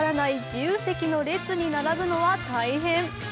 自由席の列に並ぶのは大変。